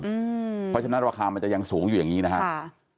เพราะฉะนั้นราคามันจะยังสูงอยู่อย่างนี้นะครับ